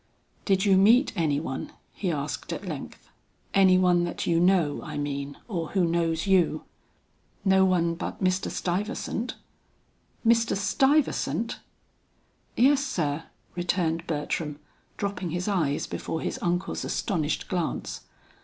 "Did you meet any one?" he asked at length. "Any one that you know, I mean, or who knows you?" "No one but Mr. Stuyvesant." "Mr. Stuyvesant!" "Yes sir," returned Bertram, dropping his eyes before his uncle's astonished glance.